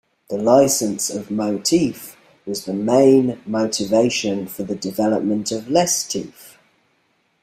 The licence of Motif was the main motivation for the development of LessTif.